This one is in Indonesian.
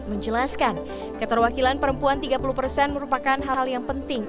menjelaskan keterwakilan perempuan tiga puluh persen merupakan hal hal yang penting